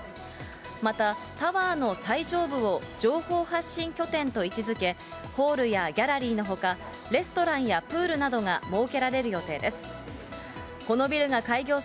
また、タワーの最上部を情報発信拠点と位置づけ、ホールやギャラリーのほか、レストランやプールなどが設けられる予定です。